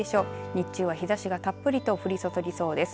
日中は日ざしがたっぷりと降り注ぎそうです。